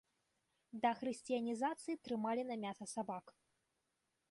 Да хрысціянізацыі трымалі на мяса сабак.